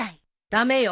駄目よ。